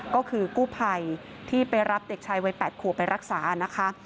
ก็คือกู้ภัยที่ไปรับเด็กชายวัย๘ขัวไปรักษานะคะ